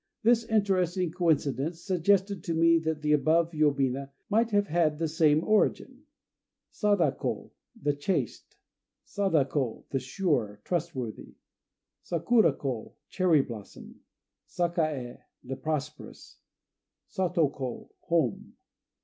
This interesting coincidence suggested to me that the above yobina might have had the same origin. Sada ko "The Chaste." Sada ko "The Sure," trustworthy. Sakura ko "Cherry Blossom." Sakaë "The Prosperous." Sato ko "Home."